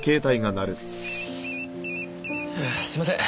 すいません。